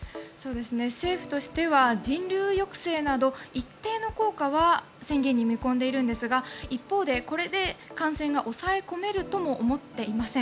政府としては人流抑制など一定の効果は宣言に見込んでいるんですが一方でこれで感染が抑え込めるとも思っていません。